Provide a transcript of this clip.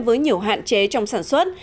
với nhiều hạn chế trong sản xuất